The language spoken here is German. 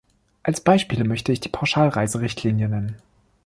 Als Beispiel möchte ich die Pauschalreiserichtlinie nennen.